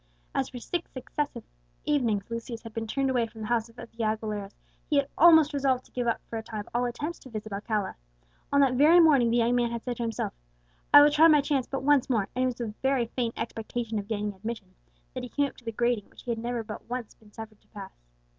As for six successive evenings Lucius had been turned away from the house of the Aguileras, he had almost resolved to give up for a time all attempts to visit Alcala. On that very morning the young man had said to himself, "I will try my chance but once more;" and it was with very faint expectation of gaining admission that he came up to the grating which he had never but once been suffered to pass.